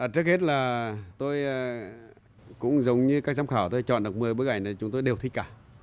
trước hết là tôi cũng giống như các giám khảo tôi chọn được một mươi bức ảnh này chúng tôi đều thi cả